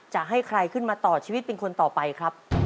จะให้ใครขึ้นมาต่อชีวิตเป็นคนต่อไปครับ